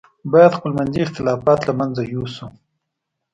باید خپل منځي اختلافات له منځه یوسو.